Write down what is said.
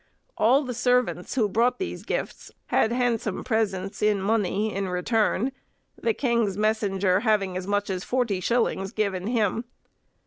All the servants who brought these gifts had handsome presents in money in return, the king's messenger having as much as forty shillings given him.